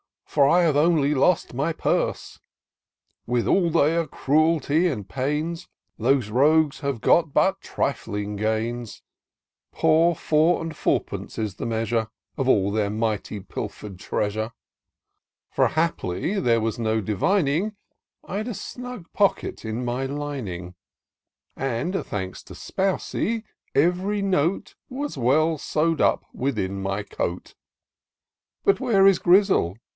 For I have only lost my piurse : With all their cruelty and pains. The rogues have got but trifling gains ; Poor four and foiu: pence is the measure Of all their mighty pilfer'd treasure ; For haply there was no divining I'd a snug pocket in my lining ; 22 TOUR OF DOCTOR SYNTAX And, thanks to Spousy, ev'ry note Was well sew'd up within my coat. But where is Grizzle